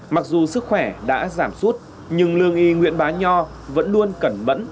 mặc dù sức khỏe đã giảm suốt nhưng lương y nguyễn bá nho vẫn luôn cẩn mẫn